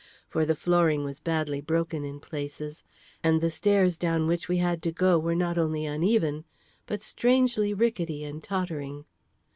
For the flooring was badly broken in places, and the stairs down which we had to go were not only uneven, but strangely rickety and tottering.